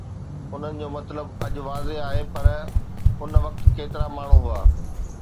انهن جو مطلب اڄ واضح آهي، پر ان وقت ڪيترا ماڻهو هئا؟